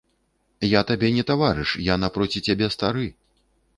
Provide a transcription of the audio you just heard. Я табе не таварыш, я напроці цябе стары.